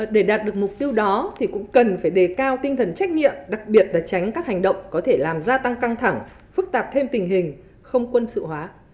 để đạt được mục tiêu đó thì cũng cần phải đề cao tinh thần trách nhiệm đặc biệt là tránh các hành động có thể làm gia tăng căng thẳng phức tạp thêm tình hình không quân sự hóa